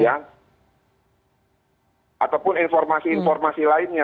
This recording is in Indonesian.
ataupun informasi informasi lainnya